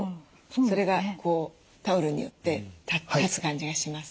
それがタオルによって立つ感じがします。